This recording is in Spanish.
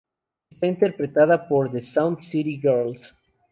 Está interpretada por the Sound City Girls.